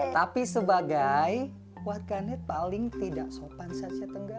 tapi sebagai warganet paling tidak sopan sasnya tenggara